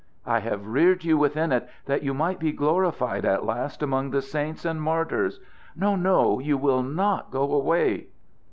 I have reared you within it that you might be glorified at last among the saints and martyrs. No, no! You will not go away!"